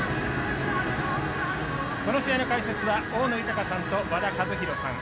この試合の解説は大野豊さんと和田一浩さん。